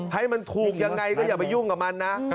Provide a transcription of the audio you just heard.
ให้มันถูกยังไงก็อย่าไปยุ่งกับมันนะ